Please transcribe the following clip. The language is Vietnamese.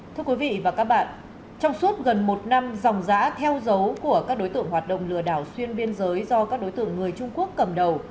thưa quý vị và các bạn trong suốt gần một năm dòng giã theo dấu của các đối tượng hoạt động lừa đảo xuyên biên giới do các đối tượng người trung quốc cầm đầu